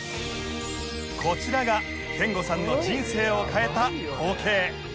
こちらが憲剛さんの人生を変えた光景